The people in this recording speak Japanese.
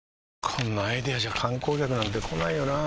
こんなアイデアじゃ観光客なんて来ないよなあ